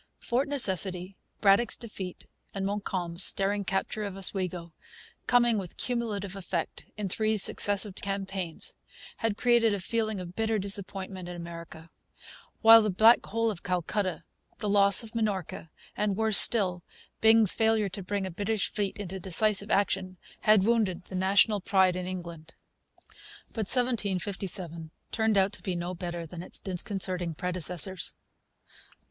Fort Necessity, Braddock's Defeat, and Montcalm's daring capture of Oswego, coming with cumulative effect, in three successive campaigns, had created a feeling of bitter disappointment in America; while the Black Hole of Calcutta; the loss of Minorca, and, worse still, Byng's failure to bring a British fleet into decisive action, had wounded the national pride in England. But 1757 turned out to be no better than its disconcerting predecessors.